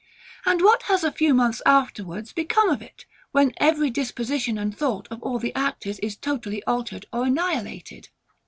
And what has a few months afterwards become of it, when every disposition and thought of all the actors is totally altered or annihilated?